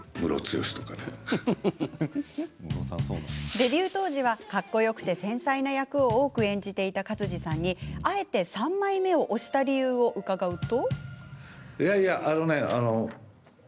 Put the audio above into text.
デビュー当時はかっこよくて繊細な役を多く演じていた勝地さんにあえて三枚目を推した理由を伺うと。